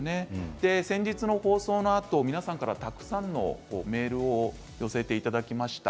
先日の放送のあと皆さんからたくさんのメールをお寄せいただきました。